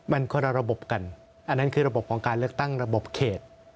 มันคนละระบบกันอันนั้นคือระบบของการเลือกตั้งระบบเขต